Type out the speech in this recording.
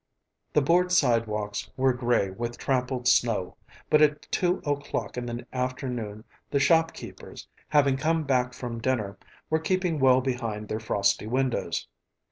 The board sidewalks were gray with trampled snow, but at two o'clock in the afternoon the shopkeepers, having come back from dinner, were keeping well behind their frosty windows.